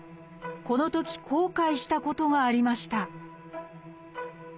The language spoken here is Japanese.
このとき後悔したことがありました